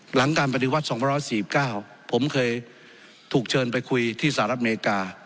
หลังการปฏิวัติ๒๔๙ผมเคยถูกเชิญไปคุยที่สหรัฐอเมริกา